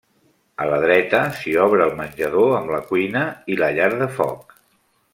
A la dreta, s'hi obre el menjador amb la cuina i la llar de foc.